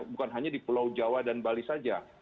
pulau jawa dan bali saja